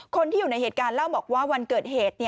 คนที่อยู่ในเหตุการณ์เล่าบอกว่าวันเกิดเหตุ